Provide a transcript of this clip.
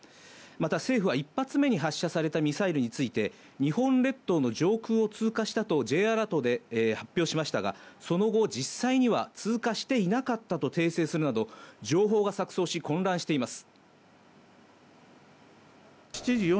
また政府は１発目に発射されたミサイルについて、日本列島の上空を通過したとＪアラートで発表しましたが、その後、実際には通過していなかったと訂正するなど情報が錯綜し、混乱しています。